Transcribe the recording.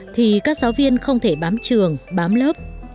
thì các giáo viên không thể bám trường bám lớp